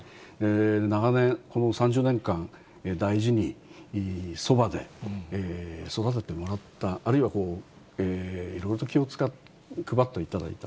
長年、３０年間、大事にそばで育ててもらった、あるいはいろいろと気を配っていただいた。